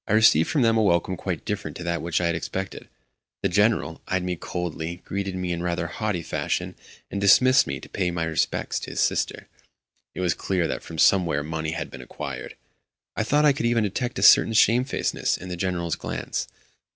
I received from them a welcome quite different to that which I had expected. The General eyed me coldly, greeted me in rather haughty fashion, and dismissed me to pay my respects to his sister. It was clear that from somewhere money had been acquired. I thought I could even detect a certain shamefacedness in the General's glance.